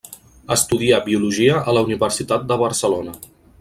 Estudià biologia a la Universitat de Barcelona.